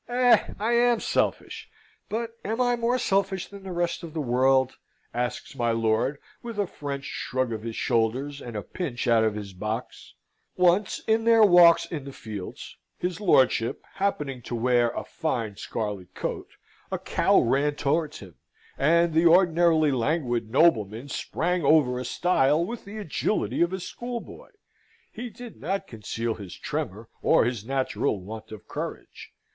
"Eh! I am selfish: but am I more selfish than the rest of the world?" asks my lord, with a French shrug of his shoulders, and a pinch out of his box. Once, in their walks in the fields, his lordship happening to wear a fine scarlet coat, a cow ran towards him; and the ordinarily languid nobleman sprang over a stile with the agility of a schoolboy. He did not conceal his tremor, or his natural want of courage.